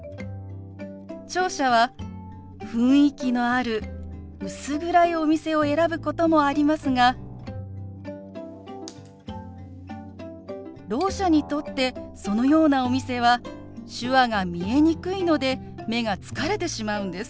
聴者は雰囲気のある薄暗いお店を選ぶこともありますがろう者にとってそのようなお店は手話が見えにくいので目が疲れてしまうんです。